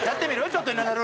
ちょっと。